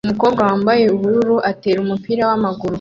umukobwa wambaye ubururu atera umupira wamaguru